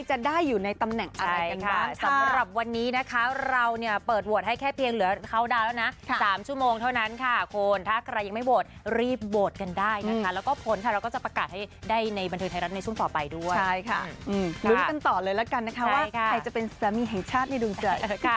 จะเปิดโหวตให้แค่เพียงเหลือ๓ชั่วโมงเท่านั้นค่ะคุณถ้าใครยังไม่โหวตรีบโหวตกันได้นะคะแล้วก็ผลค่ะเราก็จะประกาศให้ได้ในบันเทิงไทยรัฐในช่วงต่อไปด้วยใช่ค่ะรู้กันต่อเลยแล้วกันนะคะว่าใครจะเป็นสามีแห่งชาติในดวงใจ